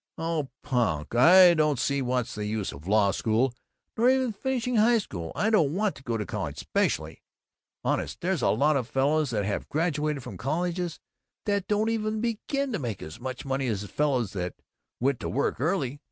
"Oh punk. I don't see what's the use of law school or even finishing high school. I don't want to go to college specially. Honest, there's lot of fellows that have graduated from colleges that don't begin to make as much money as fellows that went to work early.